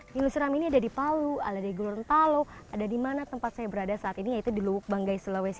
kilu siram ini ada di palu ada di gorontalo ada di mana tempat saya berada saat ini yaitu di luwuk banggai sulawesi